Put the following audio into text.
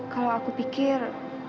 kalau aku pikir